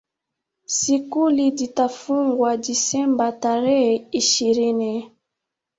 Sukuli dhitafungwa Disemba tarehe ishirini